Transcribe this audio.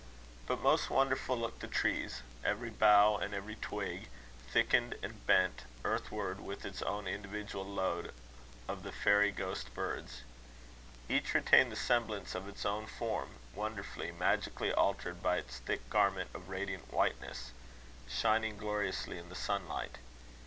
But most wonderful looked the trees every bough and every twig thickened, and bent earthward with its own individual load of the fairy ghost birds. Each retained the semblance of its own form, wonderfully, magically altered by its thick garment of radiant whiteness, shining gloriously in the sunlight.